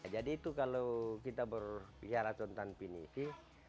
jadi itu kalau kita berbicara tentang pinisi